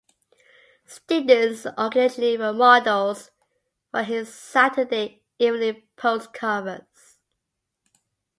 Students occasionally were models for his "Saturday Evening Post" covers.